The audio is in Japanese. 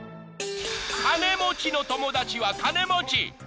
［金持ちの友達は金持ち］